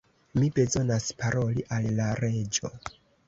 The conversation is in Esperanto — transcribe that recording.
Mi bezonas paroli al la Reĝo!